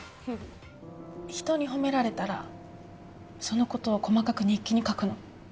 人に褒められたらそのことを細かく日記に書くの。